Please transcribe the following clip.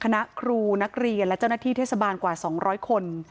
คณะครูนักเรียนและเจ้าหน้าที่เทศบาลกว่า๒๐๐คน